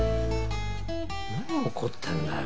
何怒ってんだよ。